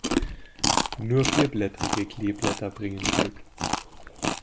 Nur vierblättrige Kleeblätter bringen Glück.